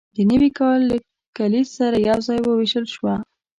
د نوي کال له کلیز سره یوځای وویشل شوه.